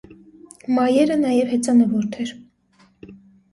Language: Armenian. Մայերը նաև հեծանվորդ էր։